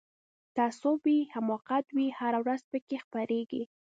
تعصب وي حماقت وي هره ورځ پکښی خپریږي